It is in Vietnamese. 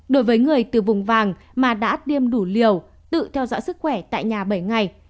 đối với người từ vùng vàng mà đã tiêm đủ liều tự theo dõi sức khỏe tại nhà bảy ngày